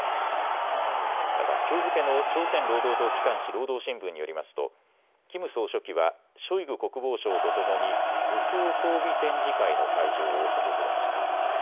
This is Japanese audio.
またきょう付けの朝鮮労働党機関紙、労働新聞によりますとキム総書記はショイグ国防相とともに武装装備展示会の会場を訪れました。